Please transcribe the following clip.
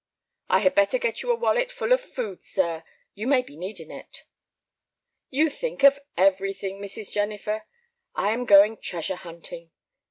"I had better get you a wallet full of food, sir; you may be needing it." "You think of everything, Mrs. Jennifer. I am going treasure hunting."